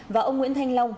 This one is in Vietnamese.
và ông nguyễn thanh long